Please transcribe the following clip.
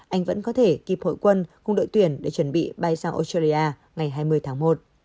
anh vẫn có thể kịp hội quân cùng đội tuyển để chuẩn bị bay sang australia ngày hai mươi tháng một